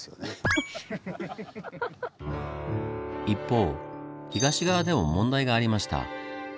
一方東側でも問題がありました。